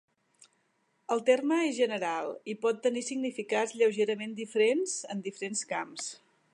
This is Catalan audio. El terme és general i pot tenir significats lleugerament diferents en diferents camps.